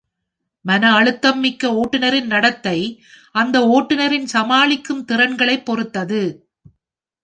மன அழுத்தம் மிக்க ஓட்டுநரின் நடத்தை அந்த ஓட்டுநரின் சமாளிக்கும் திறன்களைப் பொறுத்தது.